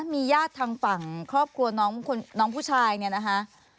มีญาติทางฝั่งครอบครัวน้องผู้ชายเนี่ยนะคะ